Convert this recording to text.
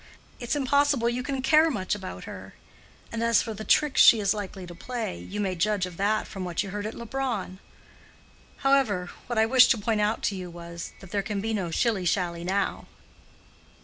It's impossible you can care much about her. And as for the tricks she is likely to play, you may judge of that from what you heard at Leubronn. However, what I wished to point out to you was, that there can be no shilly shally now."